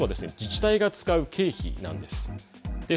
その一つは自治体が使う経費なんです。